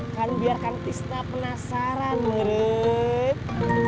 kan biarkan kisna penasaran merit